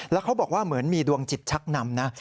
แล้วเขาบอกว่าเหมือนมีดวงจิตชักนำนะ